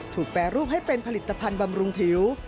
แปรรูปให้เป็นผลิตภัณฑ์บำรุงผิว